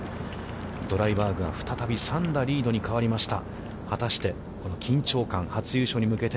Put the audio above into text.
ドライバーグが再び３打リードに変わりました。